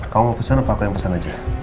kamu mau pesan apa aku yang pesan aja